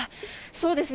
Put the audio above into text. そうですね。